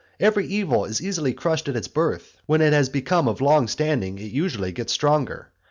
Every evil is easily crushed at its birth, when it has become of long standing, it usually gets stronger.